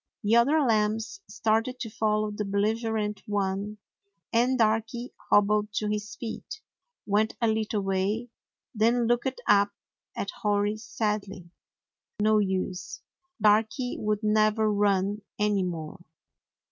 The other lambs started to follow the belliger ent one, and Darky hobbled to his feet, went a little way, then looked up at Hori sadly. No use. Darky would never run any more.